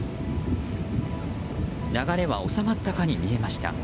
流れは収まったかに見えました。